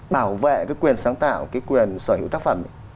bảo vệ cái quyền sáng tạo cái quyền sở hữu tác phẩm ấy